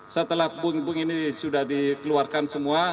setelah puing puing ini sudah dikeluarkan semua